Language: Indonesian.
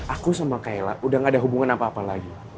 aku sama kaila udah gak ada hubungan apa apa lagi